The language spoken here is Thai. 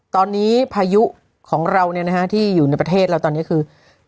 ตอนนี้พายุของเราที่อยู่ในประเทศเราตอนนี้คือ